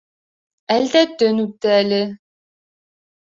— Әлдә төн үтте әле.